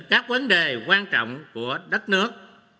các vấn đề quan trọng của đất nước